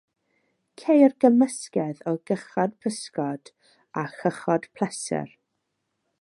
Ceir cymysgedd o gychod pysgota a chychod pleser.